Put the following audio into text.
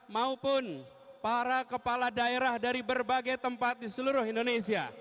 maupun para kepala daerah dari berbagai tempat di seluruh indonesia